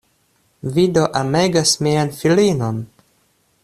Vi do amegas mian filinon?